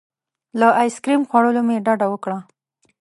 له ایس کریم خوړلو مې ډډه وکړه.